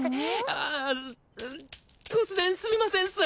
ああ突然すみませんっす